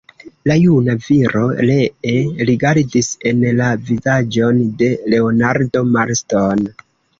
La juna viro ree rigardis en la vizaĝon de Leonardo Marston.